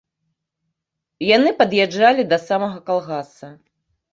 Яны пад'язджалі да самага калгаса.